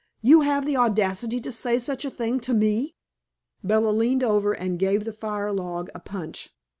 "You have the audacity to say such a thing to me!" Bella leaned over and gave the fire log a punch.